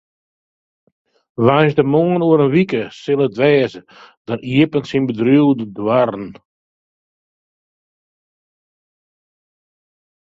Woansdeitemoarn oer in wike sil it wêze, dan iepenet syn bedriuw de doarren.